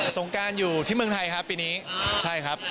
งการอยู่ที่เมืองไทยครับปีนี้ใช่ครับ